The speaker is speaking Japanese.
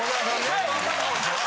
はい。